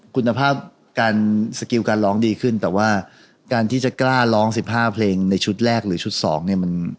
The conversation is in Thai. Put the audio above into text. คุณภาพการสกิลการร้องดีขึ้นแต่ว่าการที่จะกล้าร้อง๑๕เพลงในชุดแรกหรือชุด๒เนี่ยมัน